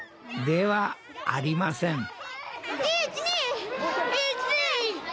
ではありません。